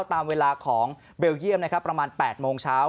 ตามเวลาของเบลเยียมประมาณ๘โมงเช้า